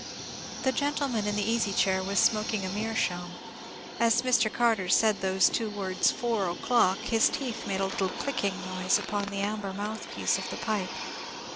The gentleman in the easy chair was smoking a meerschaum. As Mr. Carter said those two words, "four o'clock," his teeth made a little clicking noise upon the amber mouthpiece of the pipe.